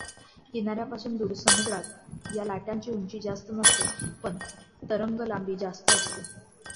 किनाऱ्यापासून दूर समुद्रात या लाटांची उंची जास्त नसते पण तरंगलांबी जास्त असते.